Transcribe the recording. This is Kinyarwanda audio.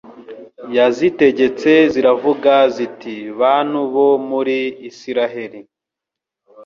yazitegetse ziravuga ziti bantu bo muri Isirayeli